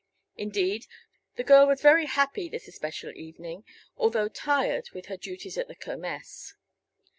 Indeed, the girl was very happy this especial evening, although tired with her duties at the Kermess.